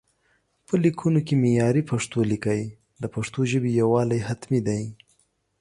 په ليکونو کې معياري پښتو ليکئ، د پښتو ژبې يووالي حتمي دی